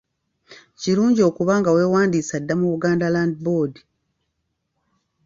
Kirungi okuba nga weewandiisa dda mu Buganda Land Board.